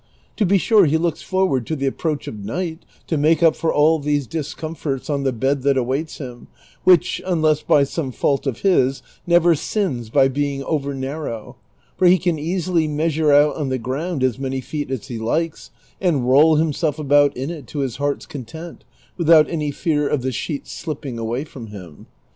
To be sure he looks forward to the approach of night to make up for all these discomforts on the bed that awaits him, Avliich, unless by some fault of his, never sins by being over narrow, for he can easily measure out on the ground as many feet as he likes, and roll himself about in it to his heart's content without any fear of the sheets slipping away from him.